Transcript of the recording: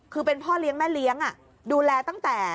คือเป็นพ่อเลี้ยงแม่เลี้ยงดูแลตั้งแต่